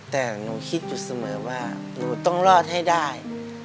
แต่หนูคิดอยู่เสมอว่าหนูต้องรอดให้ได้